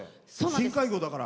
深海魚だから。